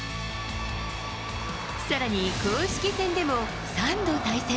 さらに公式戦でも、３度対戦。